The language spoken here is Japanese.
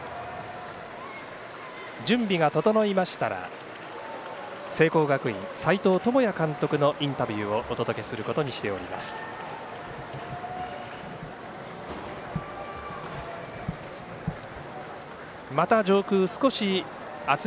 準備が整いましたら聖光学院、斎藤智也監督のインタビューをお届けすることにしております。